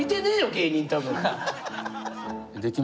芸人多分。